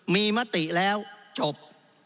มีมติแล้วจบ